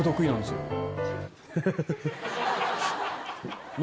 ハハハハ。